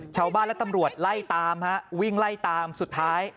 ชาวบ้านและตำรวจไล่ตามฮะวิ่งไล่ตามสุดท้าย